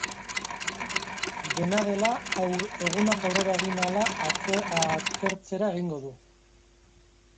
Dena dela, egunak aurrera egin ahala, atertzera egingo du.